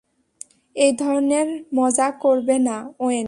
এই ধরণের মজা করবে না, ওয়েন।